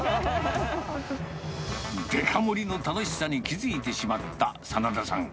デカ盛りの楽しさに気付いてしまった眞田さん。